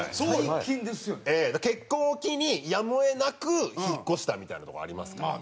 結婚を機にやむを得なく引っ越したみたいなとこありますから。